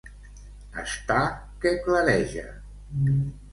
Estar que clareja.